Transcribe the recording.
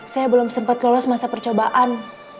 saya belum sempat lolos masa percobaan